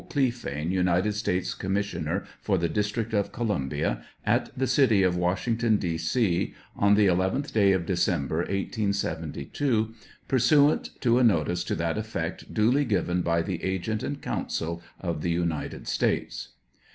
Clephane, United States Commis sioner for the District of Columbia, at the City of Washington, D. C, on the 11th day of December, 1872, pursuant to a notice to that effect duly given by the Agent and Counsel of the United States.